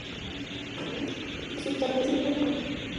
په افغانستان کې مورغاب سیند د خلکو د ژوند په کیفیت تاثیر کوي.